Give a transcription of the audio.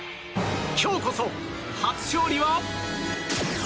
今日こそ初勝利は？